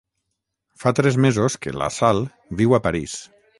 Fa tres mesos que la Sal viu a París.